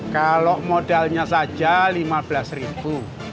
kalau modalnya saja lima belas ribu